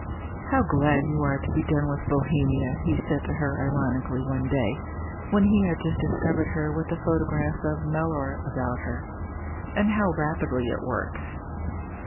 "How glad you are to be done with Bohemia!" he said to her ironically one day, when he had just discovered her with the photographs of Mellor about her. "And how rapidly it works!"